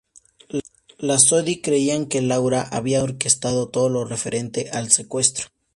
Las Sodi creían que Laura había orquestado todo lo referente al secuestro.